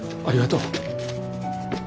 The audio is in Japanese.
ありがとう。